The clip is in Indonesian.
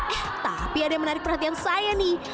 hmm tapi ada yang menarik perhatian saya nih